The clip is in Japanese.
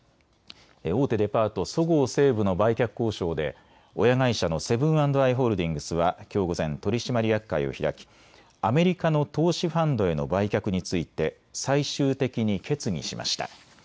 大手デパート、そごう・西武の売却交渉で親会社のセブン＆アイ・ホールディングスはきょう午前、取締役会を開きアメリカの投資ファンドへの売却について最終的に決議しました。